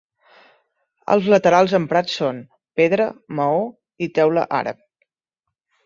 Els laterals emprats són: pedra, maó i teula àrab.